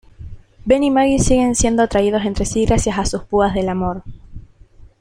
Ben y Maggie siguen siendo atraídos entre sí gracias a sus púas del amor".